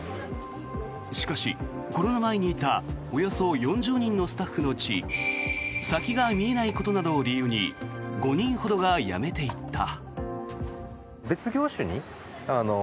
しかし、コロナ前にいたおよそ４０人のスタッフのうち先が見えないことなどを理由に５人ほどが辞めていった。